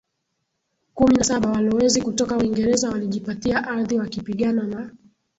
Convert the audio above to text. kumi na Saba Walowezi kutoka Uingereza walijipatia ardhi wakipigana na